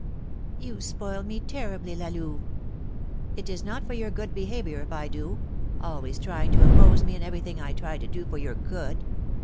"You spoil me terribly, La Louve." "It is not for your good behaviour, if I do; always trying to oppose me in everything I try to do for your good.